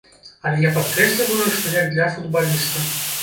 Але я падкрэсліваю, што як для футбаліста.